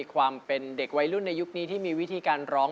แบบเด็กวัยรุ่นในยุคนี้ที่มีวิธีการร้อง